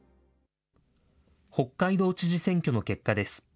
北海道知事選挙の結果です。